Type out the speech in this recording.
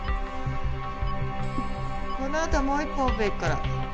このあともう１本オペいくから。